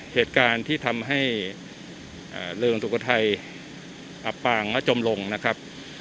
เหตุการณ์ที่ทำให้เริงสุโขทัยอับปางและจมลงนะครับ